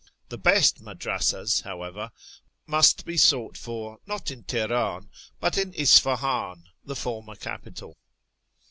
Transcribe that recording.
The best madrasas, however, must be sought for, not in Teheran, but in Isfahan, the former capital.